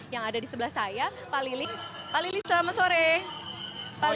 yang ada di sebelah saya pali